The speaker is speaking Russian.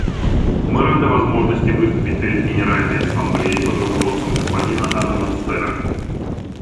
Мы рады возможности выступить перед Генеральной Ассамблеей под руководством господина ан-Насера.